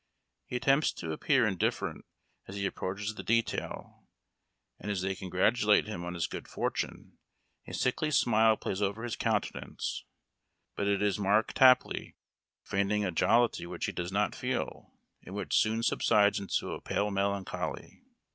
He attempts to appear indifferent as he approaches the detail, and as they congratulate him on his good fortune a sickly smile plays over his countenance ; but it is Mark Tapley feign ing a jollity which he does not feel and which soon subsides into a pale melancholy.